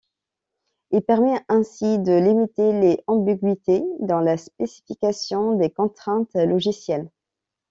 Il permet ainsi de limiter les ambigüités dans la spécification des contraintes logicielles.